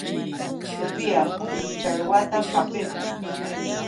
Sofía huk challwata hapirqun.